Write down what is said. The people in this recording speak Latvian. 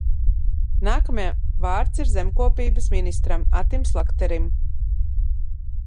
Nākamajam vārds ir zemkopības ministram Atim Slakterim.